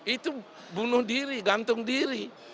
itu bunuh diri gantung diri